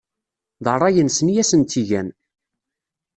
D ṛṛay-nsen i asen-tt-igan.